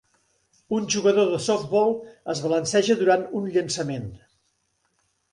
un jugador de softball es balanceja durant un llançament